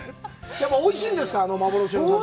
おいしいんですか、あの幻の酒は？